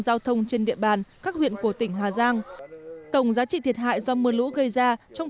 giao thông trên địa bàn các huyện của tỉnh hà giang tổng giá trị thiệt hại do mưa lũ gây ra trong